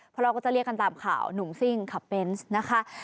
เพราะเราก็จะเรียกกันตามข่าวหนุ่มซิ่งขับเบนส์นะคะ